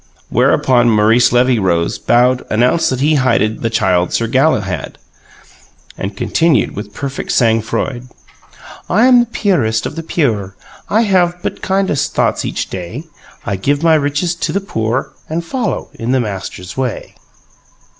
Whereupon Maurice Levy rose, bowed, announced that he highted the Child Sir Galahad, and continued with perfect sang froid: "I am the purest of the pure. I have but kindest thoughts each day. I give my riches to the poor, And follow in the Master's way."